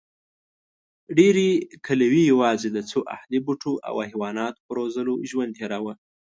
ډېرې کلیوې یواځې د څو اهلي بوټو او حیواناتو په روزلو ژوند تېراوه.